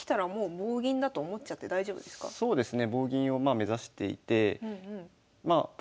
そうですね。